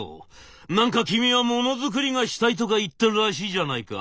何か君はものづくりがしたいとか言ってるらしいじゃないか？」。